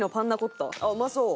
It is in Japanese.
うまそう！